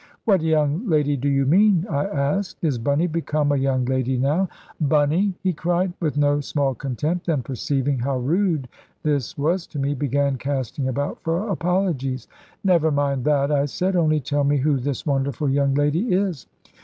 "What young lady do you mean?" I asked; "is Bunny become a young lady now?" "Bunny!" he cried, with no small contempt; then perceiving how rude this was to me, began casting about for apologies. "Never mind that," I said; "only tell me who this wonderful young lady is."